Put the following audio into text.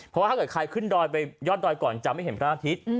เพราะว่าถ้าเกิดใครขึ้นดอยไปยอดดอยก่อนจะไม่เห็นพระอาทิตย์